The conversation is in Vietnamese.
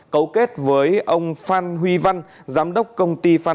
cấu kết với ông phan huy văn giám đốc công ty phan